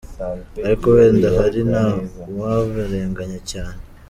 Ariko wenda ahari nta wabarenganya cyane.